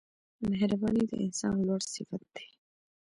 • مهرباني د انسان لوړ صفت دی.